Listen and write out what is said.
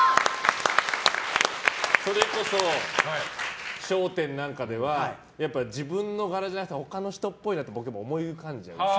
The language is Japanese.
それこそ、「笑点」なんかでは自分のがらじゃなくてほかの人っぽいボケも思い浮かんじゃう。